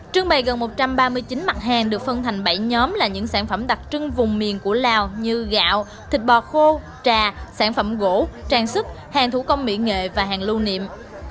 trương bày gần một trăm ba mươi chín mặt hàng được phân thành bảy nhóm là những sản phẩm đặc trưng vùng miền của lào như gạo thịt bò khô trà sản phẩm gỗ trang sức hàng thủ công mỹ nghệ và hàng lưu niệm